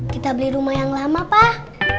kita beli rumah yang lama pak